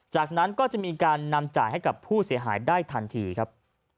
จากนั้นก็จะมีการนำจ่ายให้กับผู้เสียหายได้ทันทีครับ